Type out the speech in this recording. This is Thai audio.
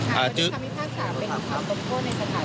ค่ะวันนี้สามีภาพสาวเป็นข่าวครบครัวในสถานกาล